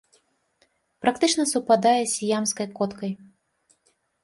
Практычна супадае з сіямскай коткай.